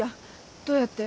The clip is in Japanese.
どうやって？